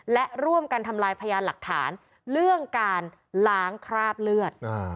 และร่วมกันทำลายพยานหลักฐานเรื่องการล้างคราบเลือด